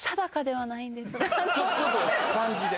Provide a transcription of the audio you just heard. ちょっと感じで。